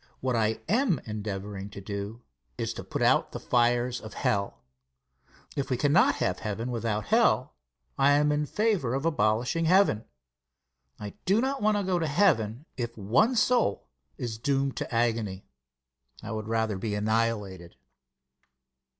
What I am endeavoring to do is to put out the fires of hell. If we cannot have heaven without hell, I am in favor of abolishing heaven. I do not want to go to heaven if one soul is doomed to agony. I would rather be annihilated.